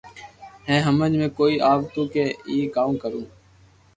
ھي ھمج ۾ ڪوئي آ وتو ڪي اپي ڪاو ڪرو